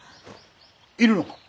いるのか？